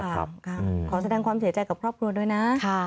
ขอแสดงความเสียใจกับครอบครัวด้วยนะ